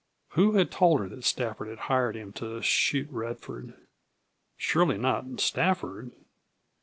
Who had told her that Stafford had hired him to shoot Radford? Surely not Stafford.